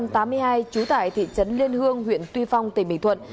trú tại thị trấn liên hương huyện tuy phong tỉnh bình thuận